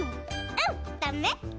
うんだめ？